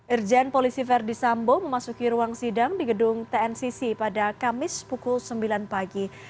irjen polisi verdi sambo memasuki ruang sidang di gedung tncc pada kamis pukul sembilan pagi